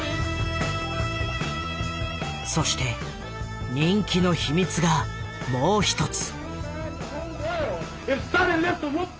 そして人気の秘密がもう一つ。